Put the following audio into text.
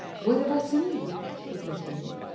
What have I seen?" he continued.